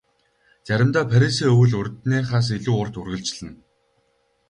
Заримдаа Парисын өвөл урьдынхаас илүү урт үргэлжилнэ.